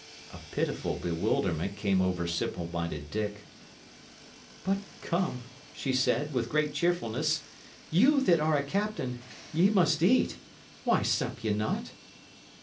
A pitiful bewilderment came over simple minded Dick. "But come," she said, with great cheerfulness, "you that are a captain, ye must eat. Why sup ye not?"